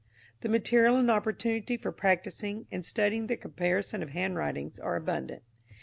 The material and opportunity for practising and studying the comparison of handwritings are abundant.